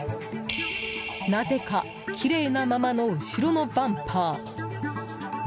なぜかきれいなままの後ろのバンパー。